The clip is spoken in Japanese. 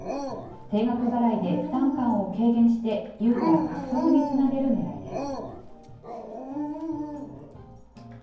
定額払いで負担感を軽減して、ユーザー獲得につなげるねらいです。